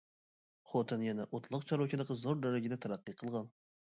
خوتەن يەنە ئوتلاق چارۋىچىلىقى زور دەرىجىدە تەرەققىي قىلغان.